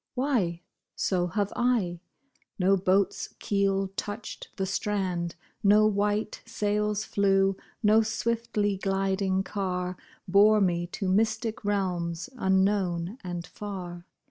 Why, so have I ! No boat's keel touched the strand, No white sails flew, no swiftly gliding car Bore me to mystic realms, unknown and far.